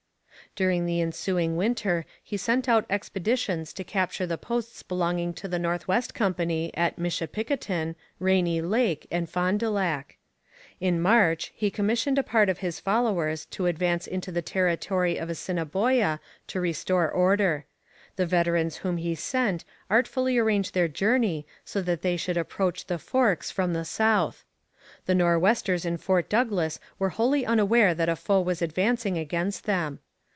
During the ensuing winter he sent out expeditions to capture the posts belonging to the North West Company at Michipicoten, Rainy Lake, and Fond du Lac. In March he commissioned a part of his followers to advance into the territory of Assiniboia to restore order. The veterans whom he sent artfully arranged their journey so that they should approach 'the Forks' from the south. The Nor'westers in Fort Douglas were wholly unaware that a foe was advancing against them.